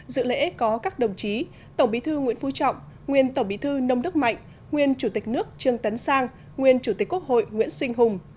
dự lễ có các đồng chí tổng bí thư nguyễn phú trọng nguyên tổng bí thư nông đức mạnh nguyên chủ tịch nước trương tấn sang nguyên chủ tịch quốc hội nguyễn sinh hùng